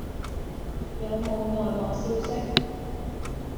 有冇內幕消息